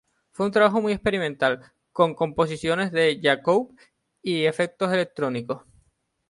Fue un trabajo muy experimental, con composiciones de Yacoub y efectos electrónicos.